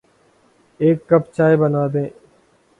ایک کپ چائے بنادیں